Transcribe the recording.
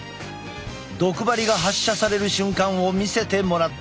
毒針が発射される瞬間を見せてもらった。